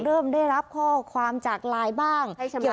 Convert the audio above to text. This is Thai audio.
เริ่มได้รับข้อความจากไลน์บ้าง